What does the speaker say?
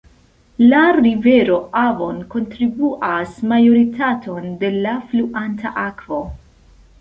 La rivero Avon kontribuas majoritaton de la fluanta akvo.